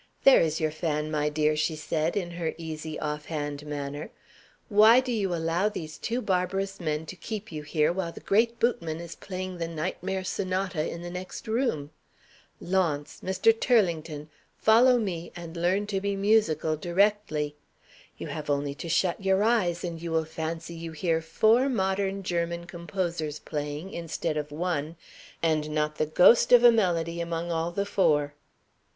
"There is your fan, my dear," she said, in her easy off hand manner. "Why do you allow these two barbarous men to keep you here while the great Bootmann is playing the Nightmare Sonata in the next room? Launce! Mr. Turlington! follow me, and learn to be musical directly! You have only to shut your eyes, and you will fancy you hear four modern German composers playing, instead of one, and not the ghost of a melody among all the four."